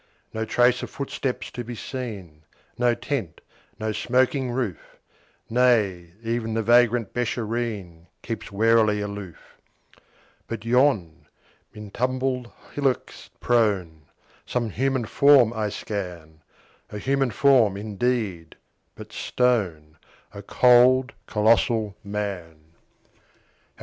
No trace of footsteps to be seen, No tent, no smoking roof; Nay, even the vagrant Beeshareen Keeps warily aloof. But yon, mid tumbled hillocks prone, Some human form I scan A human form, indeed, but stone: A cold, colossal Man!